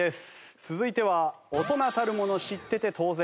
続いては大人たるもの知ってて当然。